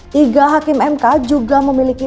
tiga hakim mk juga memiliki